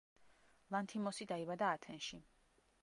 ლანთიმოსი დაიბადა ათენში.